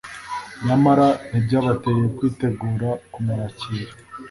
nyamara ntibyabateye kwitegura kumwakira.